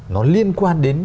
nó liên quan đến